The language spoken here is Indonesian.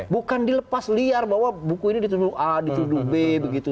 bukan dilepas liar bahwa buku ini dituduh a dituduh b begitu